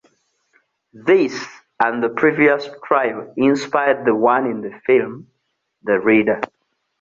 This and the previous trial inspired the one in the film "The Reader".